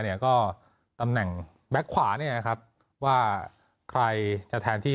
เนี่ยก็ตำแหน่งแบ็คขวาเนี่ยนะครับว่าใครจะแทนที่